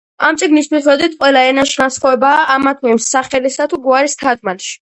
ამ წიგნის მიხედვით, ყველა ენაში განსხვავებაა ამა თუ იმ სახელისა თუ გვარის თარგმნაში.